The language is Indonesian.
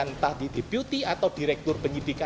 entah di deputi atau direktur penyidikan